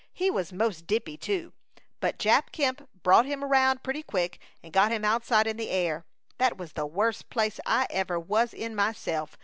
He was 'most dippy, too; but Jap Kemp brought him round pretty quick and got him outside in the air. That was the worst place I ever was in myself.